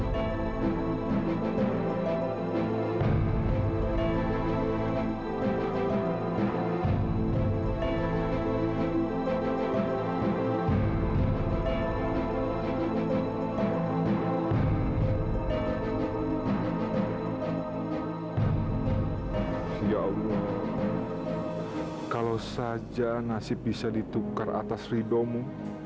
ya allah kalau saja nasib bisa ditukar atas ridomu